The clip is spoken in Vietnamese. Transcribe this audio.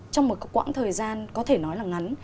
trong một quãng thời gian có thể nói là ngắn